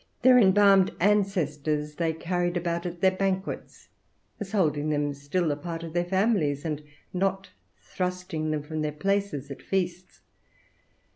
Their embalmed ancestors they carried about at their banquets, as holding them still a part of their families, and not thrusting them from their places at feasts.